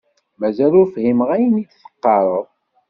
Mazal ur fhimeɣ ayen i d-teqqareḍ.